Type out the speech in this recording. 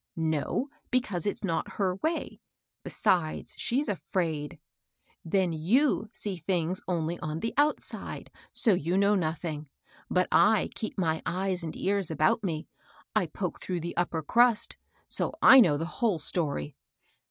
"No, because it's not her way; besides she's afraid. Then you see things only on the outside ; so you know nothing. But I keep my eyes and ears about me ; I poke through the upper crust ; so I know the whole story.